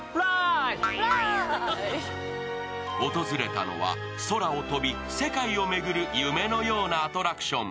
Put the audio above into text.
訪れたのは、空を飛び世界を巡る夢のようなアトラクション。